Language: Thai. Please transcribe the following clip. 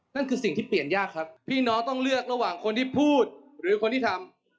นั่นคือสิ่งที่เปลี่ยนยากครับพี่น้องต้องเลือกระหว่างคนที่พูดหรือคนที่ทำ